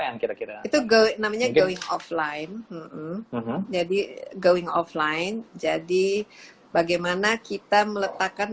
yang kira kira itu go namanya going offline jadi going offline jadi bagaimana kita meletakkan